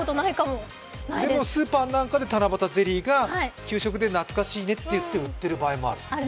スーパーなんかで七夕ゼリーが給食でなつかしいねって売ってる場合もある。